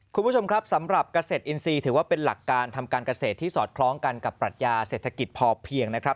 คุณผู้ชมครับสำหรับเกษตรอินทรีย์ถือว่าเป็นหลักการทำการเกษตรที่สอดคล้องกันกับปรัชญาเศรษฐกิจพอเพียงนะครับ